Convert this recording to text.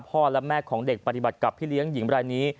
และแม่ของเด็กปฏิบัติกับพี่เลี้ยงหญิงรายนี้